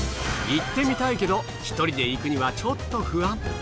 行ってみたいけど１人で行くにはちょっと不安。